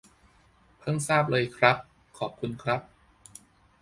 เพิ่งทราบเลยครับ ขอบคุณครับ